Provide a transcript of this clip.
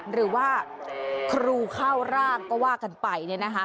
หรือว่าครูเข้าร่างก็ว่ากันไป